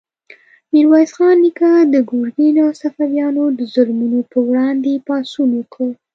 میرویس خان نیکه د ګرګین او صفویانو د ظلمونو په وړاندې پاڅون وکړ.